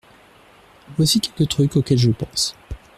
Voici quelques trucs auxquels je pense.